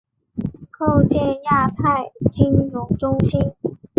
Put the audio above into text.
建构亚太金融中心